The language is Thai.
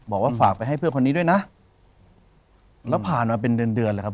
บอกว่าฝากไปให้เพื่อนคนนี้ด้วยนะแล้วผ่านมาเป็นเดือนเดือนแล้วครับ